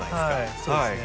はいそうですね。